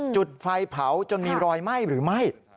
จุดไฟเผาจนมีรอยไหม้หรือไม่